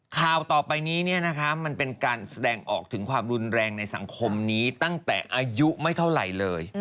ข่าวต่อไปนี้มันเป็นการแสดงออกถึงความรุนแรงในสังคมนี้ตั้งแต่อายุไม่เท่าไหร่เลย